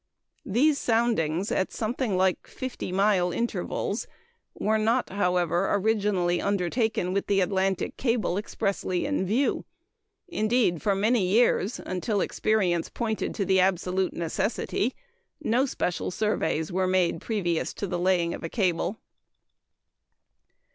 These soundings at something like fifty mile intervals were not, however, originally undertaken with the Atlantic cable expressly in view. Indeed, for many years until experience pointed to the absolute necessity no special surveys were made previous to the laying of a cable.